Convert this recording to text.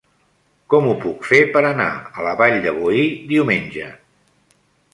Com ho puc fer per anar a la Vall de Boí diumenge?